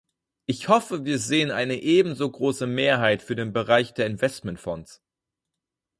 Ich hoffe, wir sehen eine ebenso große Mehrheit für den Bereich der Investmentfonds.